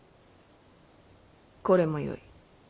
これもよい。